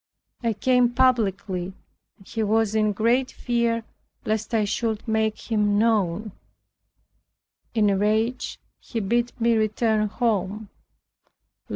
I came publicly, and he was in great fear lest I should make him known. In a rage he bid me return home.